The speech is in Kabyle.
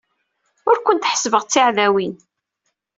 Ur kent-ḥessbeɣ d tiɛdawin.